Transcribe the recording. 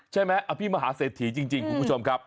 ใช่ไหมอภิมฮาเศรษฐีจริงคุณผู้ชมครับ